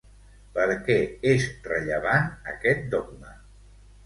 Per què és rellevant aquest dogma?